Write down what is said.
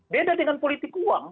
beda dengan politik uang